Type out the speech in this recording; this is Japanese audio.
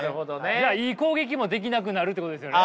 じゃあいい攻撃もできなくなるってことですよね？